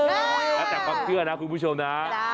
แล้วแต่ความเชื่อนะคุณผู้ชมนะ